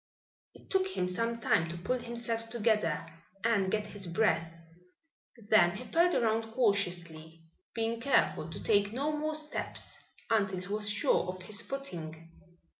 It took him some time to pull himself together and get his breath. Then he felt around cautiously, being careful to take no more steps until he was sure of his footing.